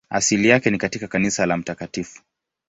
Asili yake ni katika kanisa la Mt.